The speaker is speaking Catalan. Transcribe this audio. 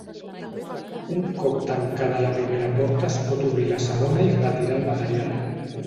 Un cop tancada la primera porta es pot obrir la segona i retirar el material.